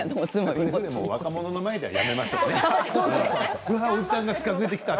でも若者の前ではやめましょうね。